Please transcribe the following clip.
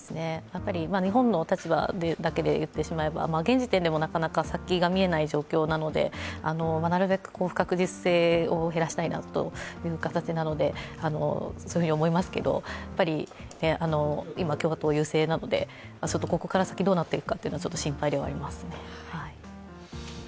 日本の立場だけで言ってしまえば、現時点でも、なかなか先が見えない状況なので、なるべく不確実性を減らしたいなという形なのでそういうふうに思いますけど、やっぱり今、共和党が優勢なのでここから先どうなっていくのか心配ではありますね。